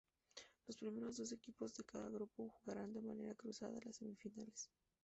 Los primeros dos equipos de cada grupo jugarán, de manera cruzada, las semifinales.